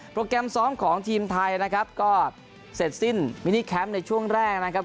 แกรมซ้อมของทีมไทยนะครับก็เสร็จสิ้นมินิแคมป์ในช่วงแรกนะครับ